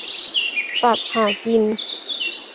สัตว์หากิน